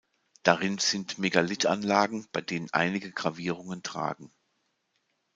Darin sind Megalithanlagen bei denen einige Gravierungen tragen.